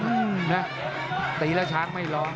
หรอต่อไปแล้วช้างไม่ร้อง